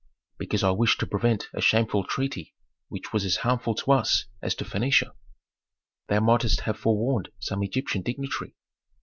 "Because I wished to prevent a shameful treaty which was as harmful to us as to Phœnicia." "Thou mightst have forewarned some Egyptian dignitary."